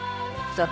そう？